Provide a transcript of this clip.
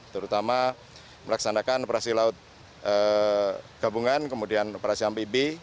terutama melaksanakan operasi laut gabungan kemudian operasi amfibi